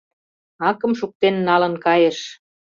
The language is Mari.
Акым шуктен налын кайыш.